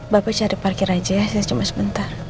bapak cari parkir aja ya saya cuma sebentar